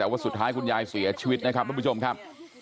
แต่ว่าสุดท้ายคุณยายเสียชีวิตนะครับทุกผู้ชมครับ